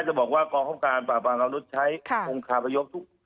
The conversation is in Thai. แค่จะบอกว่ากองค้ำการฝากปลาหมันนุษย์ใช้มุมขาประยกประยก